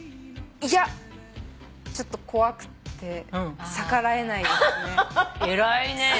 いやちょっと怖くって逆らえないですね。